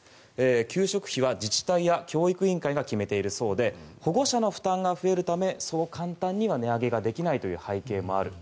給食費は自治体や教育委員会が決めているそうで保護者の負担が増えるためそう簡単には値上げができないという背景もある。